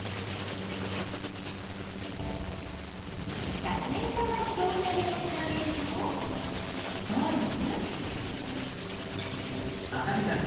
百円玉にどう線をつなげるとどうなる？